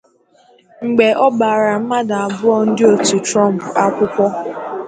mgbe ọ gbara mmadụ abụọ ndị otu Trump akwụkwọ.